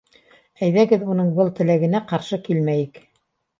— Әйҙәгеҙ уның был теләгенә ҡаршы килмәйек.